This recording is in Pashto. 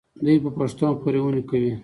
دوی په پښتو هم خپرونې کوي.